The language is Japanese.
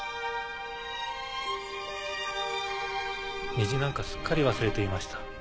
虹なんかすっかり忘れていました。